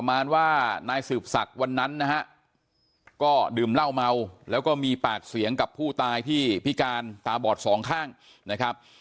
ประมาณว่านายสืบศักดิ์วันนั้นนะฮะก็ดื่มเหล้าเมาแล้วก็มีปากเสียงกับผู้ตายที่พิการตาบอดสองข้างนะครับ